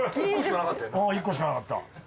１個しかなかったよね？